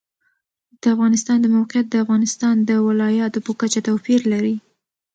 د افغانستان د موقعیت د افغانستان د ولایاتو په کچه توپیر لري.